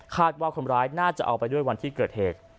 ว่าคนร้ายน่าจะเอาไปด้วยวันที่เกิดเหตุ